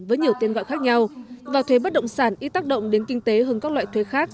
với nhiều tên gọi khác nhau vào thuế bất động sản ít tác động đến kinh tế hơn các loại thuế khác